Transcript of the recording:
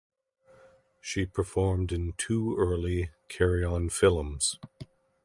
She performed in two early "Carry On" films.